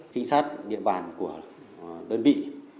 trinh sát địa bàn của đơn vị